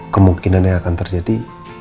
kemungkinan yang akan terjadi